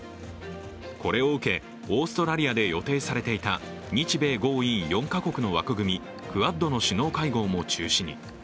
これを受け、オーストラリアで予定されていた日米豪印４か国の枠組みクアッドの首脳会合も中止に。